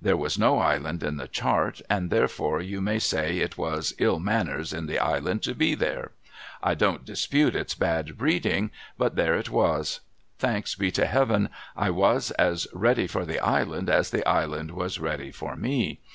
There was no island in the chart, and, therefore, you may say it was ill manners in the island to be there ; I don't dispute its bad breeding, but there it was. Thanks be to Heaven, I was as ready for the island as the island was ready for me.